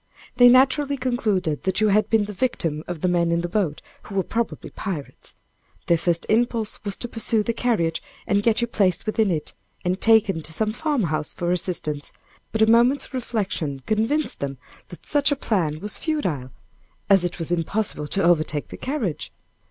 They naturally concluded that you had been the victim of the men in the boat, who were probably pirates. Their first impulse was to pursue the carriage, and get you placed within it, and taken to some farmhouse for assistance; but a moment's reflection convinced them that such a plan was futile, as it was impossible to overtake the carriage.